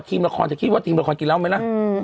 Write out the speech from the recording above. ละครจะคิดว่าทีมละครกินเหล้าไหมล่ะ